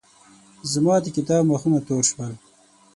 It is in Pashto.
زما د کتاب مخونه تور شول.